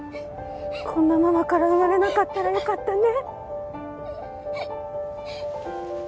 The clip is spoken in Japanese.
こんなママから生まれなかったらよかったね。